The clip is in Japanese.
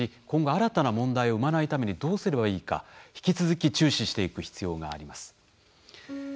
新たな問題を生まないためにどうすればいいか引き続き注視していく必要があります。